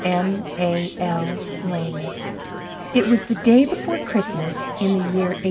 M.A.L. LANE It was the day before Christmas in the year 189